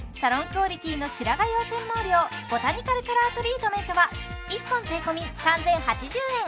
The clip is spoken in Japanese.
クオリティーの白髪用染毛料ボタニカルカラートリートメントは１本税込３０８０円